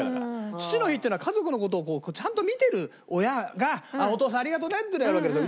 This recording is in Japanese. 父の日っていうのは家族の事をちゃんと見てる親がお父さんありがとうねってなるわけですよ。